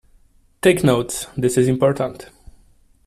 Take notes; this is important.